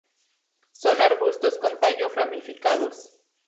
Son arbustos con tallos ramificados.